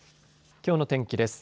きょうの天気です。